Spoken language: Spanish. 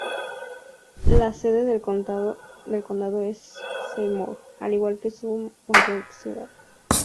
La sede del condado es Seymour, al igual que su mayor ciudad.